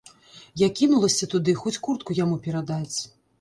Я кінулася туды, хоць куртку яму перадаць.